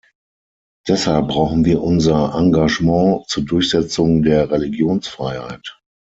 Deshalb brauchen wir unser Engagement zur Durchsetzung der Religionsfreiheit.